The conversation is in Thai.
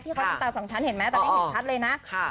ที่เขาทำตาสองชั้นเห็นไหมแต่ไม่เห็นชัดเลยนะ